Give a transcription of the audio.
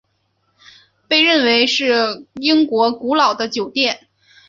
被认为是英国最古老的酒店。